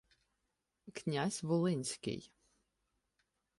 Князь волинський.